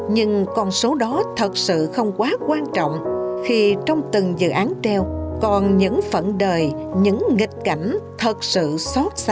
nhưng con số đó thật sự không quá quan trọng khi trong từng dự án treo còn những phận đời những nghịch cảnh thật sự xót xa